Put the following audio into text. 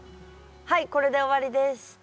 はいこれで終わりです。